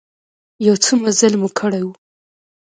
يو څه مزل مو کړى و.